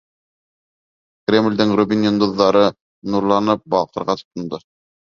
Кремлдең рубин йондоҙҙары нурланып балҡырға тотондо.